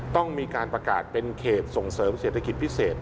ต้องมีการประกาศเป็นเขตส่งเสริมเศรษฐกิจพิเศษ